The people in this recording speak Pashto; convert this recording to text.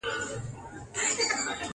ویالې به وچي باغ به وي مګر باغوان به نه وي٫